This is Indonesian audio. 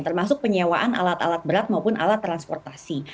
termasuk penyewaan alat alat berat maupun alat transportasi